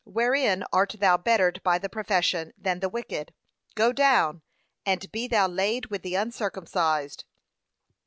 wherein art thou bettered by the profession, than the wicked? 'go down, and be thou laid with the uncircumcised.'